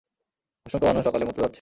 অসংখ্য মানুষ অকালে মরতে যাচ্ছে!